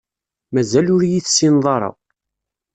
Mazal ur iyi-tessineḍ ara.